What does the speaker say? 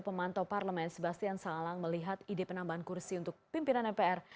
ketua komunisasi pemimpinan mpr atau parlemen sebastian salang melihat ide penambahan kursi untuk pimpinan mpr